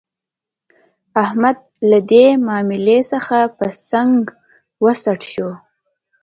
احمد له دې ماملې څخه په څنګ و څټ شو.